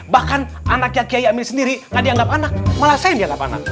bahkan anaknya kiai amin sendiri gak dianggap anak malah saya yang dianggap anak